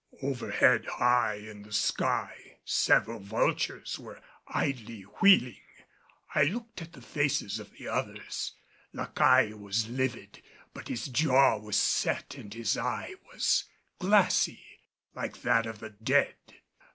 Overhead high in the sky several vultures were idly wheeling. I looked at the faces of the others. La Caille was livid, but his jaw was set and his eye was glassy like that of the dead.